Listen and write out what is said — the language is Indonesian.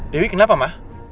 dewi kenapa ma